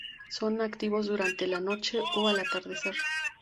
Son activos durante la noche o al atardecer.